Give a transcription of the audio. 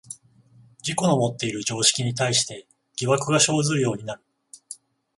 自己のもっている常識に対して疑惑が生ずるようになる。